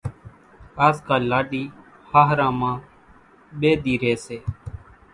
آز ڪالِ لاڏِي ۿاۿران مان ٻيَ ۮِي ريئيَ سي۔